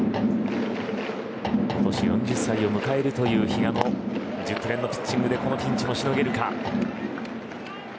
今年４０歳を迎えるという比嘉の熟年のピッチングでこのピンチをしのげるか。